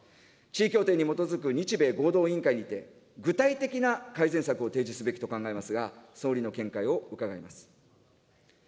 地位協定に基づく日米合同委員会にて具体的な改善策を提示すべきと考えますが、総理の見解を伺います。